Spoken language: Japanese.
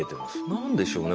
何でしょうね。